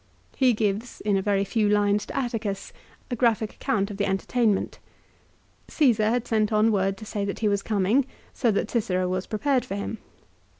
He gives, in a very few lines to Atticus, a graphic account of the entertainment. Caesar had sent on word to say that he was coming, so that Cicero was prepared for him.